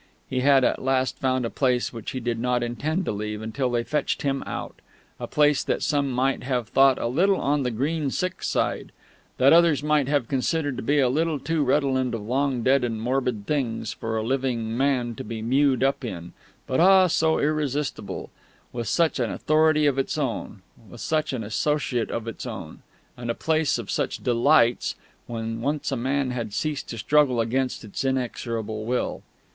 He had at last found a place which he did not intend to leave until they fetched him out a place that some might have thought a little on the green sick side, that others might have considered to be a little too redolent of long dead and morbid things for a living man to be mewed up in, but ah, so irresistible, with such an authority of its own, with such an associate of its own, and a place of such delights when once a man had ceased to struggle against its inexorable will!